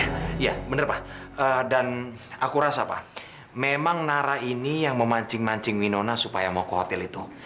iya bener pak dan aku rasa pak memang nara ini yang memancing mancing winona supaya mau ke hotel itu